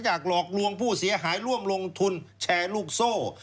หลอกลวงผู้เสียหายร่วมลงทุนแชร์ลูกโซ่